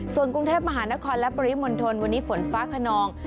ส่วนกรุงเทพมหานครและปริมณฑลวันนี้ฝนฟ้าขนอง